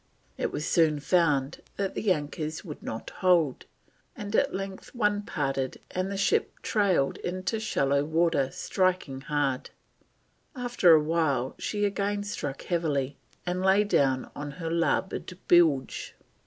It was soon found that the anchors would not hold, and at length one parted and the ship "trailed into shallow water, striking hard." After a while she again struck heavily, and "lay down on her larboard bilge."